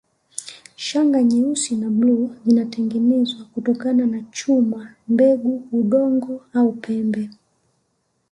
Shanga nyeusi na bluu zilitengenezwa kutokana na chuma mbegu udongo au pembe